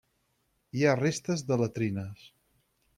Hi ha restes de latrines.